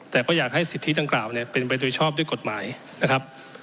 แต่ก็อยากให้สิทธิดังกล่าวเนี่ยเป็นไปโดยชอบด้วยกฎหมายนะครับ